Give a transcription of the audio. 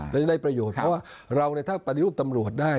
และจะได้ประโยชน์เพราะว่าเราถ้าปฏิรูปตำรวจได้